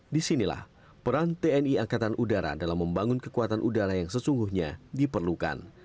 disinilah peran tni angkatan udara dalam membangun kekuatan udara yang sesungguhnya diperlukan